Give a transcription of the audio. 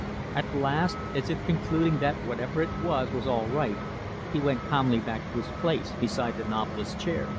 At last, as if concluding that whatever it was it was all right, he went calmly back to his place beside the novelist's chair.